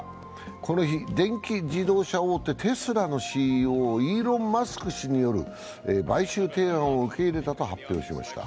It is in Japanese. この日、電気自動車大手テスラのＣＥＯ、イーロン・マスク氏による買収提案を受け入れたと発表しました。